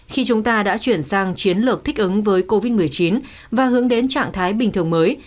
khi chúng ta đã chuyển sang chiến lược thích ứng với covid một mươi chín và hướng đến trạng thái bình thường mới